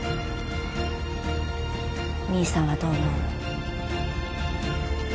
兄さんはどう思う？